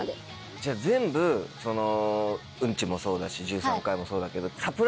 じゃあ全部うんちもそうだし１３回もそうだけど。